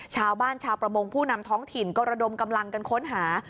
ชาวประมงผู้นำท้องถิ่นก็ระดมกำลังกันค้นหา